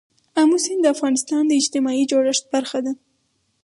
آمو سیند د افغانستان د اجتماعي جوړښت برخه ده.